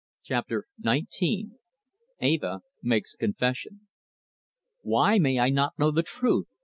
CHAPTER NINETEEN. EVA MAKES A CONFESSION. "Why may I not know the truth?"